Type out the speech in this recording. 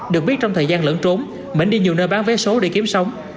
được biết trong thời gian lẫn trốn mỹ đi nhiều nơi bán vé số để kiếm sống